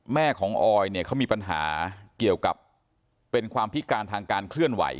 แม่ของออยเนี่ยเขามีปัญหาเกี่ยวกับเป็นความพิการทางการเคลื่อนไหว